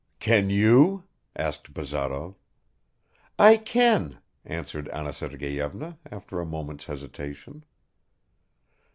"Can you?" asked Bazarov. "I can," answered Anna Sergeyevna, after a moment's hesitation.